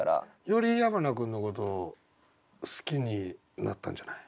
より矢花君のこと好きになったんじゃない？